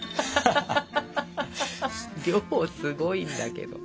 量すごいんだけど。